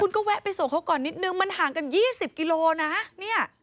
ก็แวะไปส่งเขาก่อนนิดนึงมันห่างกัน๒๐กิโลนะเนี่ย